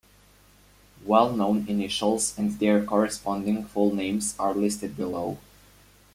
Well-known initials and their corresponding full names are listed below.